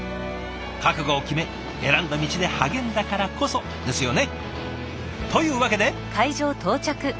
覚悟を決め選んだ道で励んだからこそですよね。というわけで。